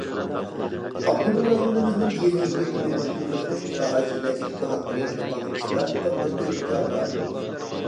ئاپتونوم رايونىمىزنىڭ يېزا ئىگىلىكىنى ماشىنىلاشتۇرۇش ساھەسىدە ئىجتىھات بىلەن جاپالىق ئىشلەۋاتقان بىر تۆھپىكار بار.